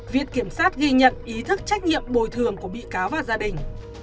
viện kiểm sát ghi nhận ý thức trách nhiệm bồi thường của bị cáo và gia đình